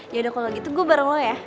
yaudah kalau gitu gue bareng lo ya